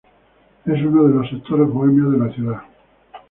Es uno de los sectores bohemios de la ciudad.